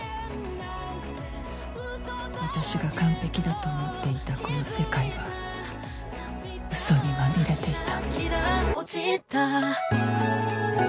私が完璧だと思っていたこの世界はウソにまみれていた。